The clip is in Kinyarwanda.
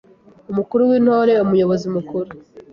Umukuru w’Intore: Umuyobozi Mukuru